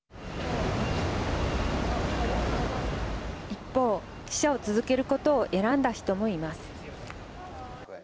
一方、記者を続けることを選んだ人もいます。